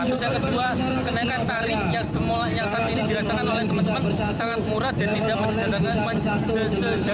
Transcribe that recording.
terus yang kedua penaikan tarif yang saat ini dirasakan oleh teman teman sangat murah dan tidak menyesal dengan sejauh jauh